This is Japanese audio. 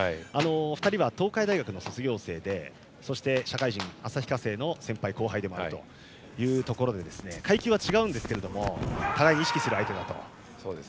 ２人は東海大学の卒業生でそして社会人、旭化成の先輩・後輩でもあるところで階級は違うんですけれども互いに意識している相手だと。